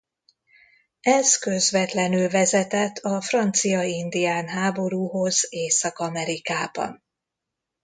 Ez közvetlenül vezetett a francia-indián háborúhoz Észak-Amerikában.